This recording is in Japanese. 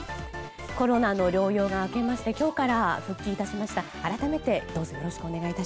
コロナの療養が明けまして今日から復帰いたしました。